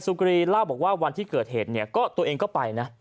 กรีเล่าบอกว่าวันที่เกิดเหตุเนี่ยก็ตัวเองก็ไปนะ